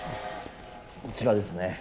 こちらですね。